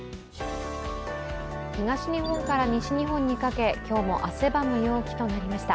東日本から西日本にかけ今日も汗ばむ陽気となりました。